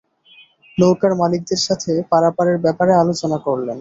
নৌকার মালিকদের সাথে পারাপারের ব্যাপারে আলোচনা করলেন।